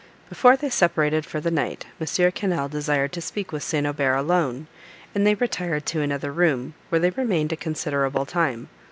Before they separated for the night, M. Quesnel desired to speak with St. Aubert alone, and they retired to another room, where they remained a considerable time.